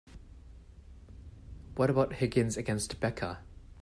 What about Higgins against Becca?